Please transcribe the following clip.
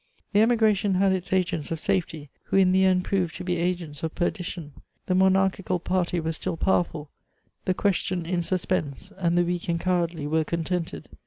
The emigration had its agents of safety, who in the end proved to be agents of perdition. The monarchical party was still powerful, the question in suspense, and the weak and cowardly were contented.